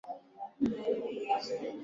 Chakula chashibisha.